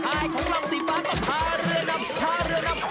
ระหล่อสีฟ้าก็พาเรือนำพาเรือนำ